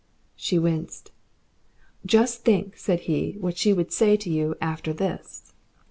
She winced. "Just think," said he, "what she could say to you after this."